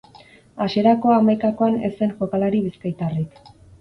Hasierako hamaikakoan ez zen jokalari bizkaitarrik.